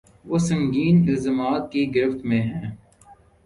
وہ سنگین الزامات کی گرفت میں ہیں۔